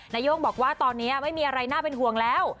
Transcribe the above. นาย่งบอกว่าตอนนี้ไม่มีอะไรน่าเป็นห่วงแล้ว